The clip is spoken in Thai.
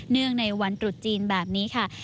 เนื่องในวันตรุจจีนแบบนี้ค่ะ